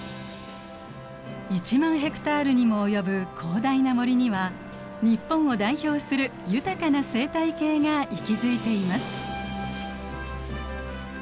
１万ヘクタールにも及ぶ広大な森には日本を代表する豊かな生態系が息づいています。